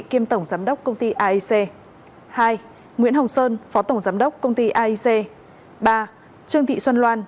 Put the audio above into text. kiêm tổng giám đốc công ty aec hai nguyễn hồng sơn phó tổng giám đốc công ty aic ba trương thị xuân loan